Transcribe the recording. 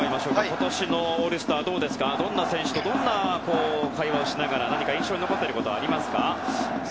今年のオールスターはどんな選手と、どんな会話をして印象に残っていることは？